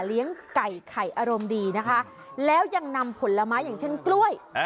ไก่ไข่อารมณ์ดีนะคะแล้วยังนำผลไม้อย่างเช่นกล้วย